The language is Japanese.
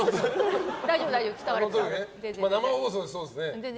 生放送でそうですね。